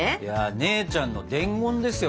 姉ちゃんの伝言ですよ